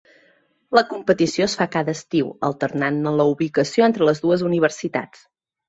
La competició es fa cada estiu, alternant-ne la ubicació entre les dues universitats.